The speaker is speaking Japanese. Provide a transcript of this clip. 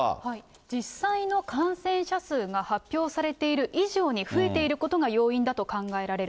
実際の感染者数が発表されている以上に増えていることが要因だと考えられる。